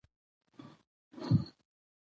د پورته کېدو احساس به درته پیدا شي !